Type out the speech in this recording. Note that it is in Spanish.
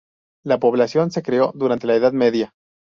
La población se creó durante la Edad Media.